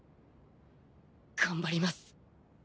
頑張ります。